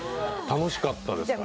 楽しかったですか？